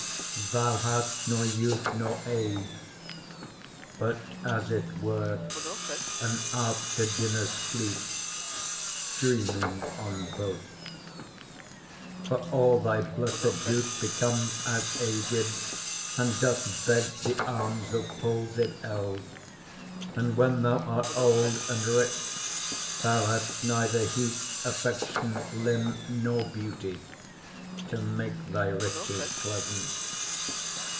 Thou hast nor youth nor age. But, as it were, an after dinner's sleep, Dreaming on both; for all thy blessed youth Becomes as aged, and doth beg the alms 35 Of palsied eld; and when thou art old and rich, Thou hast neither heat, affection, limb, nor beauty, To make thy riches pleasant.